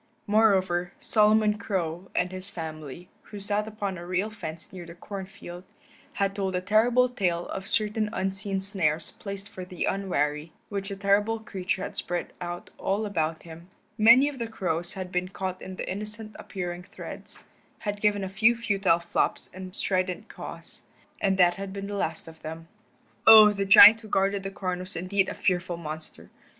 Moreover, Solomon Crow and his family, who sat upon a rail fence near the corn field, had told a terrible tale of certain unseen snares placed for the unwary, which the terrible creature had spread out all about him. Many of the crows had been caught in the innocent appearing threads, had given a few futile flops and strident caws, and that had been the last of them. Oh, the giant who guarded the corn was indeed a fearful monster.